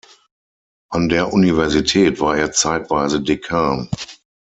An der Universität war er zeitweise Dekan.